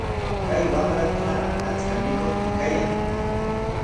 Kay wamrakunaqa achka mikuqmi kayan.